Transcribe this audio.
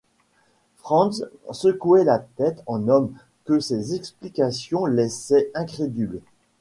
Franz secouait la tête en homme que ces explications laissaient incrédule.